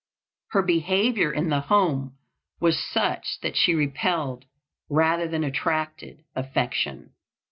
Her behavior in the home was such that she repelled, rather than attracted, affection.